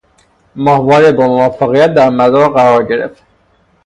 ماهواره با موفقیت در مدار قرار گرفت